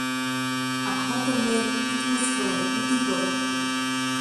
Акпатыр, мыйым ит мыскыле, ит игылт.